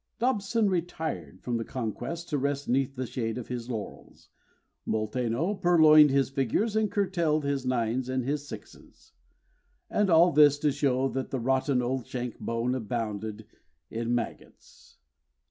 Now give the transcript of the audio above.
Dobson retired from the conquest to rest 'neath the shade of his laurels, Molteno purloined his figures and curtailed his nines and his sixes; And all this to show that the rotten old shank bone abounded in maggots.